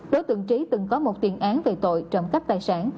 đối tượng trí từng có một tiền án về tội trộm cắp tài sản